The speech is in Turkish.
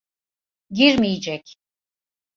Girmeyecek.